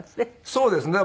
そうですね。